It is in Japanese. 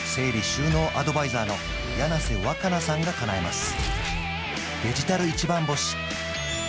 収納アドバイザーの柳瀬わかなさんがかなえます